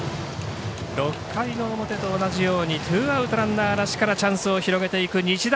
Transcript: ６回の表と同じようにツーアウト、ランナーなしからチャンスを広げていく日大